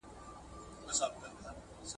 ما پرون خپل ماخذونه راټول کړل.